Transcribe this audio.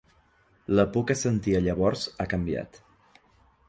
La por que sentia llavors ha canviat.